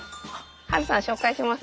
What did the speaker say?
ハルさん紹介します。